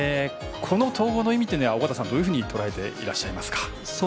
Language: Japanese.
この統合の意味というのはどういうふうにとらえてらっしゃいますか。